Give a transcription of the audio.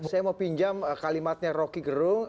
saya mau pinjam kalimatnya rocky gerung